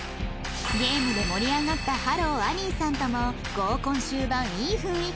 ゲームで盛り上がったはろーあにーさんとも合コン終盤いい雰囲気に